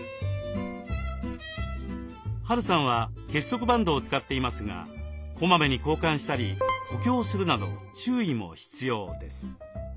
Ｈ・Ａ・Ｒ・Ｕさんは結束バンドを使っていますがこまめに交換したり補強するなど注意も必要です。